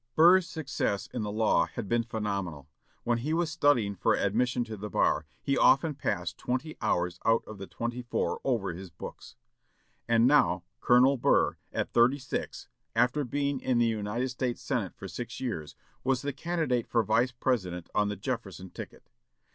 Burr's success in the law had been phenomenal. When he was studying for admission to the bar, he often passed twenty hours out of the twenty four over his books. And now, Colonel Burr, at thirty six, after being in the United States Senate for six years, was the candidate for Vice President on the Jefferson ticket.